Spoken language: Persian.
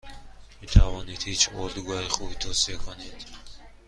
میتوانید هیچ اردوگاه خوبی توصیه کنید؟